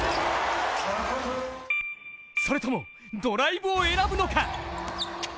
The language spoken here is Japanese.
それともドライブを選ぶのか？